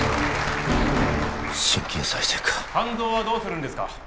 肝臓はどうするんですか？